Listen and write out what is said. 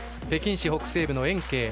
北京市北西部の延慶。